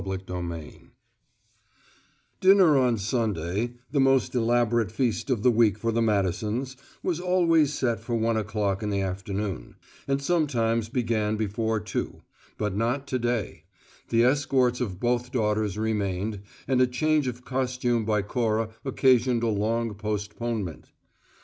CHAPTER TEN Dinner on Sunday, the most elaborate feast of the week for the Madisons, was always set for one o'clock in the afternoon, and sometimes began before two, but not to day: the escorts of both daughters remained, and a change of costume by Cora occasioned a long postponement.